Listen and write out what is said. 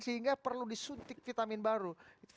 sehingga perlu disuntik vitamin baru